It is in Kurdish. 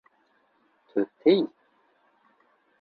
Tu têyî